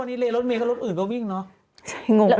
ตอนนี้เลยรถเมย์ก็รถอื่นก็วิ่งเนอะ